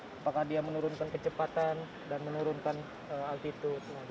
apakah dia menurunkan kecepatan dan menurunkan altitude